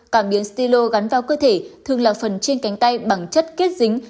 cảm biến stilo gắn vào cơ thể thường là phần trên cánh tay bằng chất kết dính